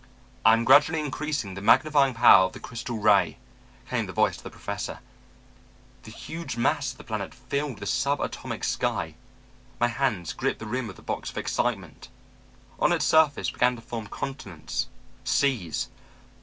"'I am gradually increasing the magnifying power of the crystal ray,' came the voice of the Professor. "The huge mass of the planet filled the sub atomic sky. My hands gripped the rim of the box with excitement. On its surface began to form continents, seas.